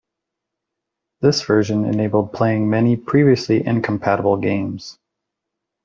This version enabled playing many previously incompatible games.